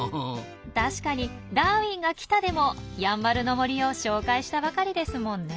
確かに「ダーウィンが来た！」でもやんばるの森を紹介したばかりですもんね。